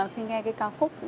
khi nghe cái ca khúc